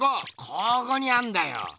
ここにあんだよ。